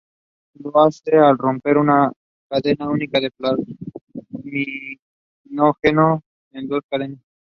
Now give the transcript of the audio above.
The genus was named to honour Tim Entwisle.